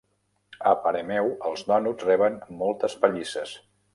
A parer meu, els dònuts reben moltes pallisses.